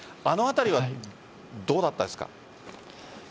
あのあたりはどうだったんですか？